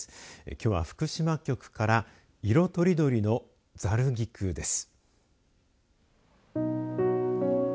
きょうは福島局から色とりどりのざる菊です。